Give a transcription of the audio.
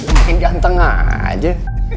makin ganteng aja